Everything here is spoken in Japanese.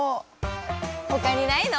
ほかにないの？